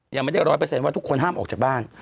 ยังไม่ได้ร้อยเปอร์เซ็นต์ว่าทุกคนห้ามออกจากบ้าน